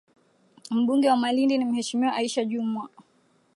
Mbunge wa Malindi ni Mheshimiwa Aisha Jumwa.